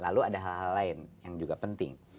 lalu ada hal hal lain yang juga penting